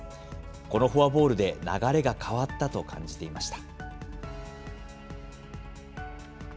このフォアボールで流れが変わったと感じていました。